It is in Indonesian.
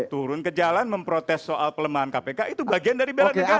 turun ke jalan memprotes soal pelemahan kpk itu bagian dari bela negara